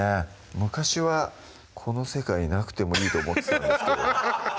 昔はこの世界になくてもいいと思ってたんですけど